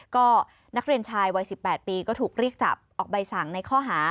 ก็นักเรียนชายวัย๑๘ปีก็ถูกเรียกจับออกใบสั่งในข้อหา